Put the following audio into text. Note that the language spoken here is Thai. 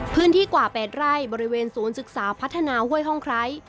พื้นที่กว่า๘ไร่บริเวณศูนย์ศึกษาพัฒนาห้วยห้องไคร้